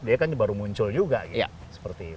dia kan baru muncul juga gitu